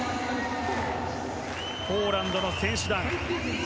ポーランドの選手団。